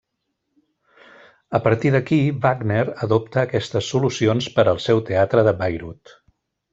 A partir d’aquí, Wagner adopta aquestes solucions per al seu teatre de Bayreuth.